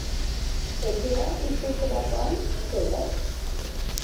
Etxera itzulitakoan, zer?